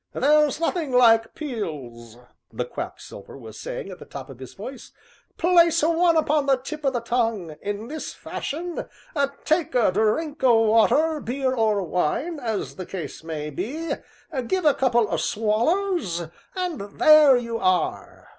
"There's nothing like pills!" the Quack salver was saying at the top of his voice; "place one upon the tip o' the tongue in this fashion take a drink o' water, beer, or wine, as the case may be, give a couple o' swallers, and there you are.